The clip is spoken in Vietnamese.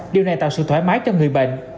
điều này tạo sự thoải mái cho người bệnh